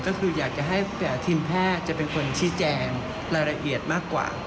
ก็คืออยากจะให้ทีมแพทย์จะเป็นคนชี้แจงรายละเอียดมากกว่า